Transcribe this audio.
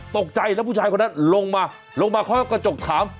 ตกใจแล้วผู้ชายคนนั้นลงมาลงมาเขาก็กระจกถาม